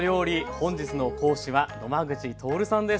本日の講師は野間口徹さんです。